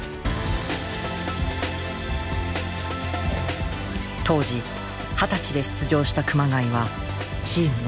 当時二十歳で出場した熊谷はチームの最年長に。